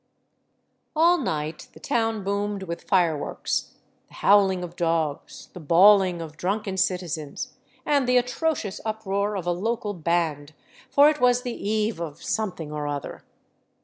." All night the town boomed with fireworks, the howling of dogs, the bawling of drunken citizens, and the atrocious uproar of a local " band," for it was the eve of something or other.